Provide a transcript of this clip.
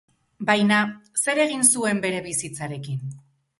Baina zer egin zuen bere bizitzarekin?